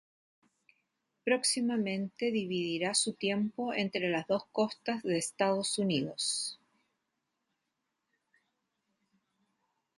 Próximamente dividirá su tiempo entre las dos costas de Estados Unidos.